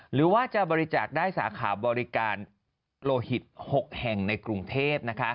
หรือว่าจะบริจาคได้สาขาบริการโลหิต๖แห่งในกรุงเทพ